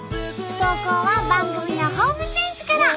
投稿は番組のホームページから。